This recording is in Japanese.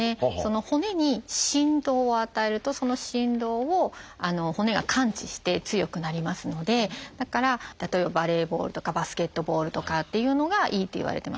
骨に振動を与えるとその振動を骨が感知して強くなりますのでだから例えばバレーボールとかバスケットボールとかっていうのがいいっていわれてます。